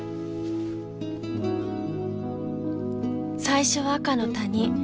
最初は赤の他人。